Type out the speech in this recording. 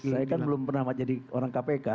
saya kan belum pernah jadi orang kpk